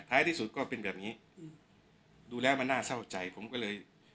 ที่สุดก็เป็นแบบนี้ดูแล้วมันน่าเศร้าใจผมก็เลย